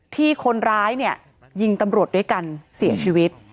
ที่คนร้ายเนี่ยยิงตำรวจด้วยกันเสียชีวิต